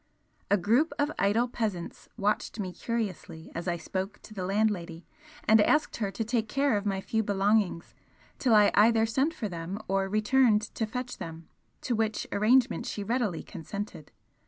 A group of idle peasants watched me curiously as I spoke to the landlady and asked her to take care of my few belongings till I either sent for them or returned to fetch them, to which arrangement she readily consented.